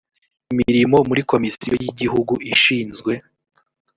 imirimo muri komisiyo y igihugu ishinzwe